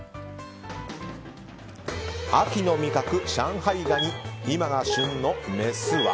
秋の味覚、上海ガニ今が旬のメスは？